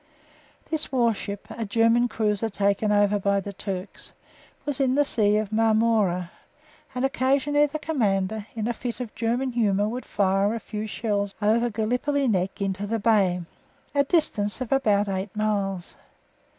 This warship, a German cruiser taken over by the Turks, was in the Sea of Marmora, and occasionally the Commander in a fit of German humour would fire a few shells over Gallipoli neck into the bay a distance of about eight or nine miles.